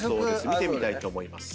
見てみたいと思います。